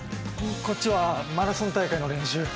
こっちはマラソン大会の練習。